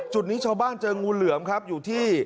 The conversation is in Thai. จุดนี้ชาวบ้านเจองูเหลือมครับอยู่ที่